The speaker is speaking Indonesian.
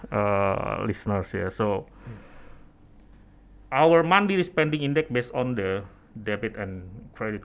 jadi indeks penggunaan mandiri kita berdasarkan transaksi debit dan kredit